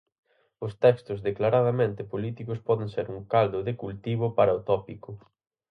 Os textos declaradamente políticos poden ser un caldo de cultivo para o tópico.